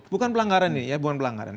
bukan pelanggaran ini ya bukan pelanggaran